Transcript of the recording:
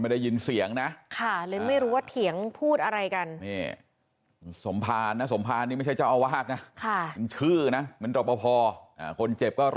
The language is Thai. มาสายทุกวันยังไม่อายบ้างเหรอ